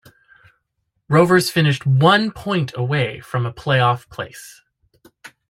Rovers finished one point away from a play-off place.